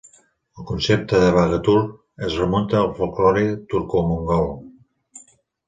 El concepte del baghatur es remunta al folklore turcomongol.